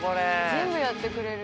全部やってくれる。